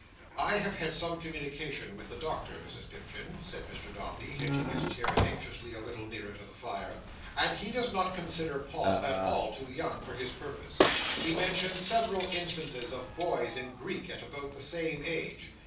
"I have had some communication with the Doctor, Mrs Pipchin," said Mr Dombey, hitching his chair anxiously a little nearer to the fire, "and he does not consider Paul at all too young for his purpose. He mentioned several instances of boys in Greek at about the same age.